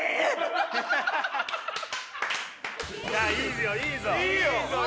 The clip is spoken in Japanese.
いやいいぞいいぞ。